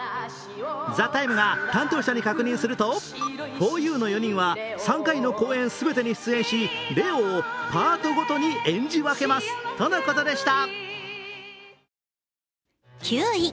「ＴＨＥＴＩＭＥ，」が担当者に確認するとふぉゆの４人は３回の公演全てに出演し、レオをパートごとに演じ分けますとのことでした。